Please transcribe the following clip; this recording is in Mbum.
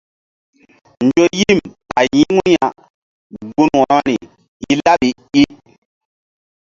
Nzo yim a yi̧ŋu ya gun wo̧rori i laɓi i.